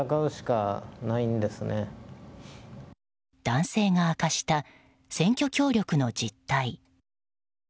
男性が明かした選挙協力の実態。